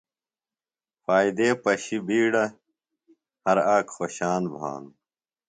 فائدے بݜیۡ بِیڈہ، ہر آک خوشان بھانوۡ